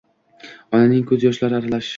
Onaning koʼz yoshi aralash